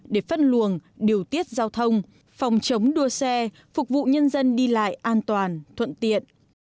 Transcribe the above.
để phân luồng điều tiết giao thông phòng chống đua xe phục vụ nhân dân đi lại an toàn thuận tiện